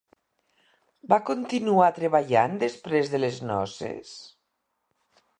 Va continuar treballant després de les noces?